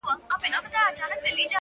چي ستا له سونډو نه خندا وړي څوك،